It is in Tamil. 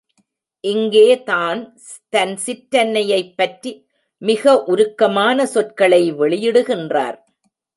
இங்கேதான் தன் சிற்றன்னையைப் பற்றி மிக உருக்கமான சொற்களை வெளியிடுகின்றார்.